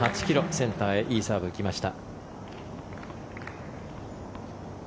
センターへいいサーブ行きました。